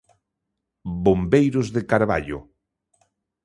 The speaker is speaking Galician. Bombeiros de Carballo.